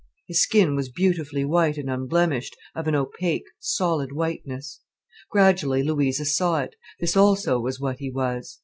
His skin was beautifully white and unblemished, of an opaque, solid whiteness. Gradually Louisa saw it: this also was what he was.